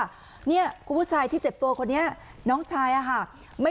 เนี่ยคุณผู้ชายที่เจ็บตัวคนนี้น้องชายอะค่ะ